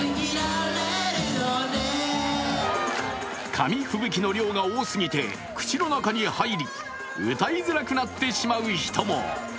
紙吹雪の量が多すぎて口の中に入り、歌いづらくなってしまう人も。